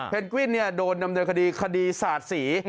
เพนกวินโดนนำเนื้อคดีคดีศาสตร์ศรี